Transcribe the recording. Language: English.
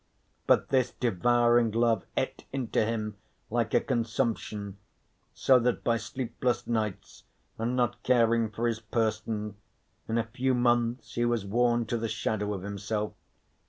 But this devouring love ate into him like a consumption, so that by sleepless nights, and not caring for his person, in a few months he was worn to the shadow of himself.